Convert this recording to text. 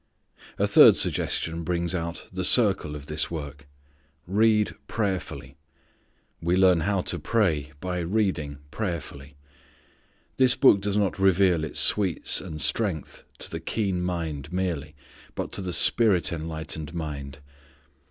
A third suggestion brings out the circle of this work. Read prayerfully. We learn how to pray by reading prayerfully. This Book does not reveal its sweets and strength to the keen mind merely, but to the Spirit enlightened mind.